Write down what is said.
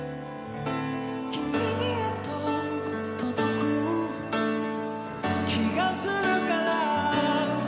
「キミへと届く気がするから」